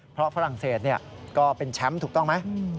เพราะฝรั่งเศสก็เป็นแชมป์ถูกต้องไหม